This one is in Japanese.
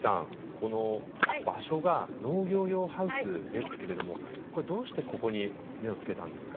この場所が農業用ハウスですけれどもこれはどうしてここに目をつけたんですか？